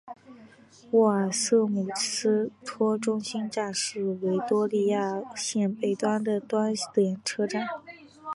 沃尔瑟姆斯托中心站是维多利亚线北端的端点车站。